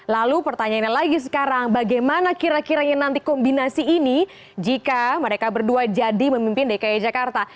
lalu pertanyaannya lagi sekarang bagaimana kira kiranya nanti kombinasi ini jika mereka berdua jadi memimpin dki jakarta